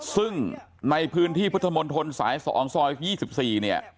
ซึ่งในพื้นที่พุทธมนตรสาย๒ซอย๒๔เนี่ย